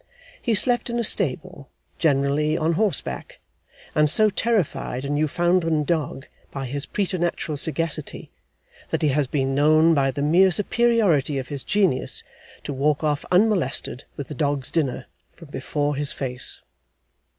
He slept in a stable generally on horseback and so terrified a Newfoundland dog by his preternatural sagacity, that he has been known, by the mere superiority of his genius, to walk off unmolested with the dog's dinner, from before his face.